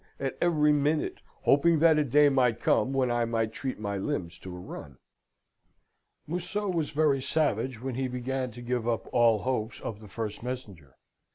at every minute, hoping that a day might come when I might treat my limbs to a run. "Museau was very savage when he began to give up all hopes of the first messenger.